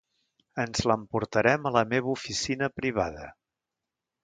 Ens l'emportarem a la meva oficina privada.